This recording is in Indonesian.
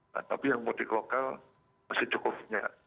nah tapi yang mudik lokal masih cukupnya